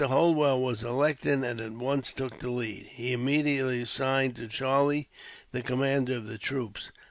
Holwell was elected, and at once took the lead. He immediately assigned to Charlie the command of the troops.